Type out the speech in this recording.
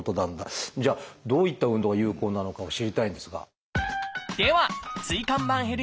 じゃあどういった運動が有効なのかを知りたいんですが。